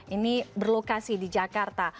ini berlokasi di jakarta